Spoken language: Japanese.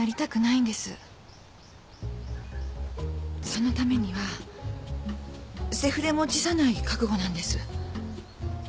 そのためにはセフレも辞さない覚悟なんです。